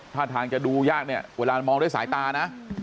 ถ้าทางจะดูยากเนี่ยเวลามองด้วยสายตานะ